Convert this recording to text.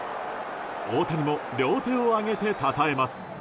大谷も両手を上げてたたえます。